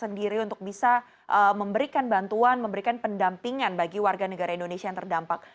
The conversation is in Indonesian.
sendiri untuk bisa memberikan bantuan memberikan pendampingan bagi warga negara indonesia yang terdampak